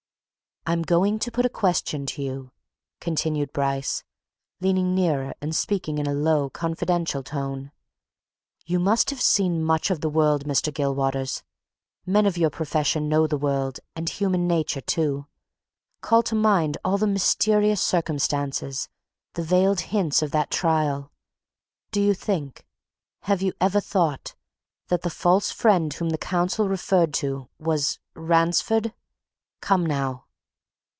"I'm going to put a question to you," continued Bryce, leaning nearer and speaking in a low, confidential tone. "You must have seen much of the world, Mr. Gilwaters men of your profession know the world, and human nature, too. Call to mind all the mysterious circumstances, the veiled hints, of that trial. Do you think have you ever thought that the false friend whom the counsel referred to was Ransford? Come, now!"